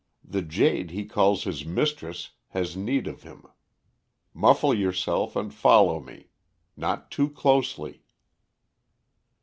The jade he calls his mistress has need of him. Muffle yourself and follow me. Not too closely."